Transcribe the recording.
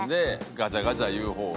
ガチャガチャ言う方が。